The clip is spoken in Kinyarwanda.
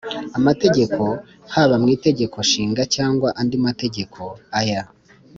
amategeko, haba mu itegeko nshinga cyangwa andi mategeko. aya